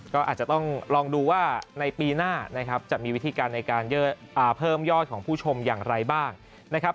ก็อาจจะต้องลองดูว่าในปีหน้านะครับจะมีวิธีการในการเพิ่มยอดของผู้ชมอย่างไรบ้างนะครับ